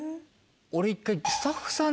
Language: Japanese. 俺一回。